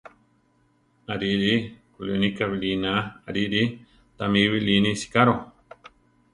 Arirí! kulínika biʼliná! arirí ! Támi biʼlíni sicaro!